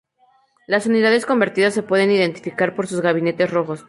Las unidades convertidas se pueden identificar por sus gabinetes rojos.